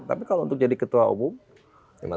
tapi kalau untuk jadi ketua umum